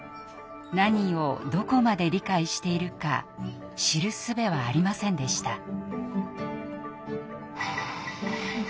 何をどこまで理解しているか知るすべはありませんでした。